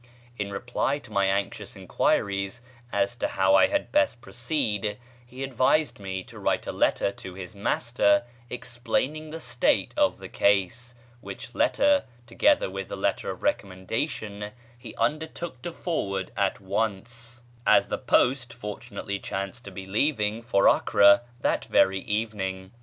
In reply to my anxious enquiries as to how I had best proceed, he advised me to write a letter to his master explaining the state of the case, which letter, together with the letter of recommendation, he undertook to forward at once, as the post fortunately chanced to be leaving for Acre that very evening.